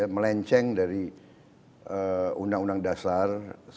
melenceng dari undang undang dasar seribu sembilan ratus empat puluh